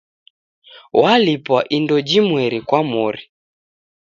Walipwa indo jimweri kwa mori.